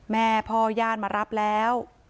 แม่พ่อญาติมารับแล้ว